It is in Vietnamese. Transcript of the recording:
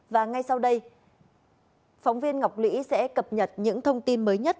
và ngay sau đây phóng viên ngọc lũy sẽ cập nhật những thông tin mới nhất